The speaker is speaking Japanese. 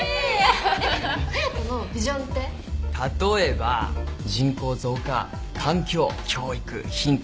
例えば人口増加環境教育貧困。